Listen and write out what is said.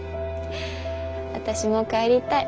私も帰りたい。